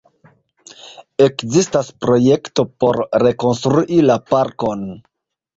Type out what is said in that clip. Ekzistas projekto por rekonstrui la parkon.